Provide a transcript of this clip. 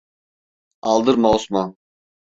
Aldırma Osman!